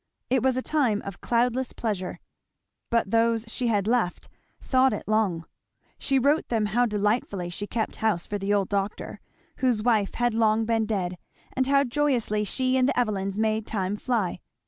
It was a time of cloudless pleasure. But those she had left thought it long. She wrote them how delightfully she kept house for the old doctor, whose wife had long been dead, and how joyously she and the Evelyns made time fly.